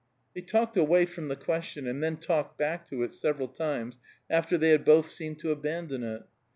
They talked away from the question, and then talked back to it several times, after they had both seemed to abandon it.